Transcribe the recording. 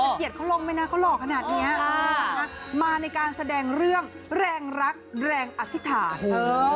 เราจะเกียจเขาลงไปนะเขาหลอกขนาดเนี้ยอ๋อค่ะมาในการแสดงเรื่องแรงรักแรงอธิษฐาโอ้โห